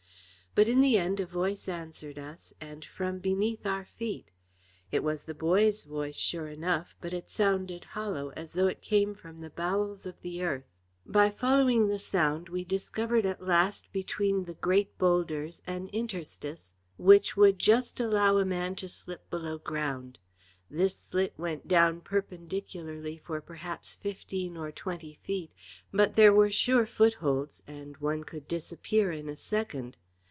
But in the end a voice answered us, and from beneath our feet. It was the boy's voice sure enough, but it sounded hollow, as though it came from the bowels of the earth. By following the sound we discovered at last between the great boulders an interstice, which would just allow a man to slip below ground. This slit went down perpendicularly for perhaps fifteen or twenty feet, but there were sure footholds and one could disappear in a second.